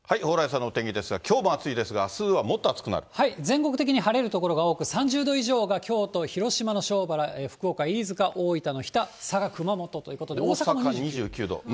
蓬莱さんのお天気ですが、きょうも暑いですが、全国的に晴れる所が多く、３０度以上が京都、広島のしょうばら、福岡・飯塚、日田、佐賀、熊本ということで、大阪も。